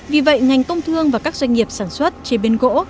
vì vậy ngành công thương và các doanh nghiệp sản xuất chí biên gỗ